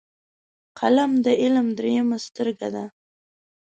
قلم د علم دریمه سترګه ده